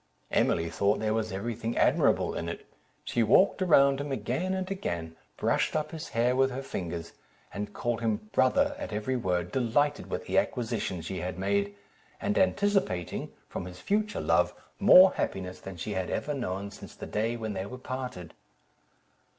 Emily thought there was every thing admirable in it; she walked round him again and again, brushed up his hair with her fingers, and called him "brother," at every word, delighted with the acquisition she had made, and anticipating, from his future love, more happiness than she had ever known since the day when they were parted.